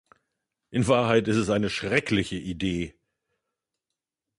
In Wahrheit ist es eine schreckliche Idee.